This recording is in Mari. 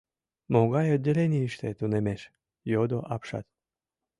— Могай отделенийыште тунемеш? — йодо апшат.